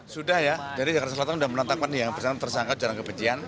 sudah ya jadi jakarta selatan sudah menantangkan yang bersangkutan tersangka ujaran kebencian